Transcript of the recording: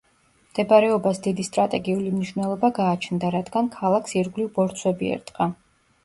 მდებარეობას დიდი სტრატეგიული მნიშვნელობა გააჩნდა, რადგან ქალაქს ირგვლივ ბორცვები ერტყა.